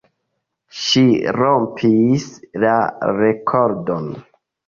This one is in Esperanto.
Ŝi rompis la rekordon.